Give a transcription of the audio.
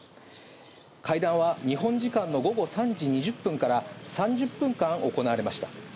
会談は日本時間の午後３時２０分から、３０分間行われました。